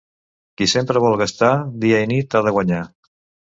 Qui sempre vol gastar, dia i nit ha de guanyar.